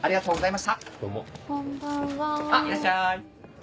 いらっしゃい！